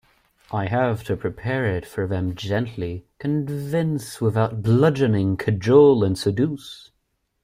I have to prepare it for them gently, convince without bludgeoning, cajole and seduce.